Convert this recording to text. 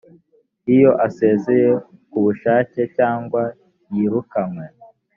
iyo asezeye ku bushake cyangwa yirukanywe